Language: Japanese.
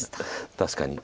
確かに。